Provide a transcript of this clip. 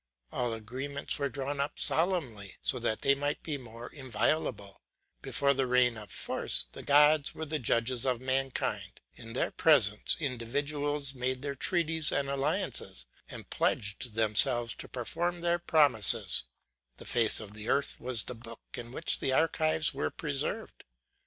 All agreements were drawn up solemnly, so that they might be more inviolable; before the reign of force, the gods were the judges of mankind; in their presence, individuals made their treaties and alliances, and pledged themselves to perform their promises; the face of the earth was the book in which the archives were preserved.